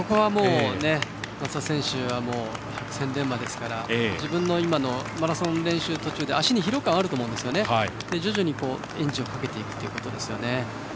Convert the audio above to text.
松田選手は百戦錬磨ですから自分の今マラソンの練習の途中で足に疲労感はあると思うんですが徐々にエンジンをかけていくということですよね。